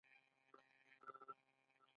پلاستيکي سامانونه باید وپېژندل شي.